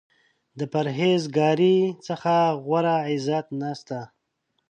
د پرهیز ګارۍ څخه غوره عزت نشته.